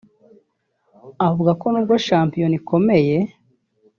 avuga ko n’ubwo shampiyona ikomeye